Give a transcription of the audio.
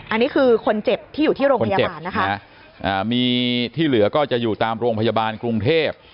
อันนี้คือคนเจ็บที่อยู่ที่โรงพยาบาลนะคะมีที่เหลือก็จะอยู่ตามโรงพยาบาลกรุงเทพ